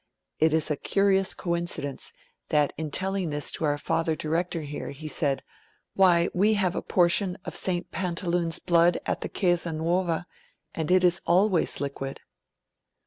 It is a curious coincidence that in telling this to our Father Director here, he said, "Why, we have a portion of St. Pantaleon's blood at the Chiesa Nuova, and it is always liquid."'